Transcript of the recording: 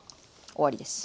終わりです。